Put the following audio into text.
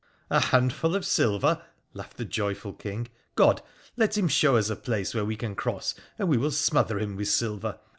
' A handful of silver !' laughed the joyful King. ' God ! let him show us a place where we can ewjss, and we will smother him with silver!